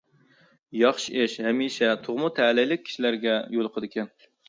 ياخشى ئىش ھەمىشە تۇغما تەلەيلىك كىشىلەرگە يولۇقىدىكەن.